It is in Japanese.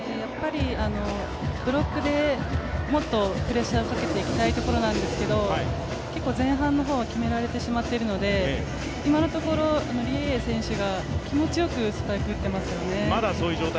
ブロックでもっとプレッシャーをかけていきたいところなんですけど、結構前半の方は決められてしまっているので、今のところ、リ・エイエイ選手が気持ちよくスパイク打っていますよね。